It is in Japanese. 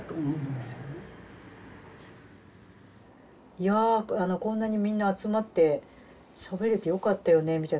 いやあこんなにみんな集まってしゃべれてよかったよねみたいな。